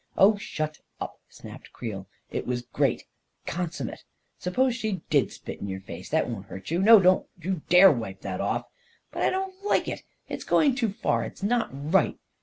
" Oh, shut up !" snapped Creel. " It was great — consummate ! Suppose she did spit in your face? That won't hurt you ! No — don't you dare wipe it off!" 14 But I don't like it. It's going too far ! It's not right!'